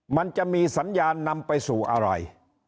มันจะมีสัญญาณนำไปสู่อะไร